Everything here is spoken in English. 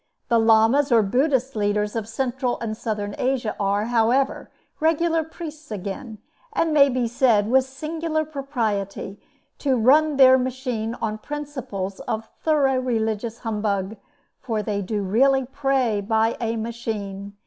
The Lamas, or Buddhist leaders of Central and Southern Asia are, however, regular priests, again, and may be said, with singular propriety, to "run their machine" on principles of thorough religious humbug, for they do really pray by a machine.